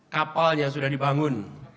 kapalnya sudah dibangun